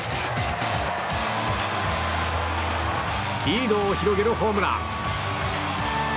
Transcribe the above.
リードを広げるホームラン。